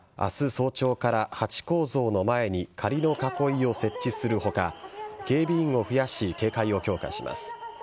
早朝からハチ公像の前に仮の囲いを設置する他警備員を増やし警戒を強化します。